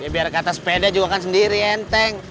biar kata sepeda juga kan sendiri enteng